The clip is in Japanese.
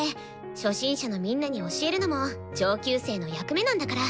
初心者のみんなに教えるのも上級生の役目なんだから。